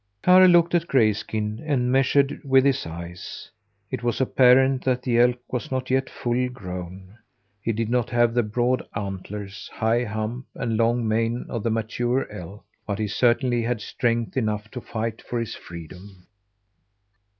Karr looked at Grayskin and measured him with his eyes. It was apparent that the elk was not yet full grown. He did not have the broad antlers, high hump, and long mane of the mature elk; but he certainly had strength enough to fight for his freedom.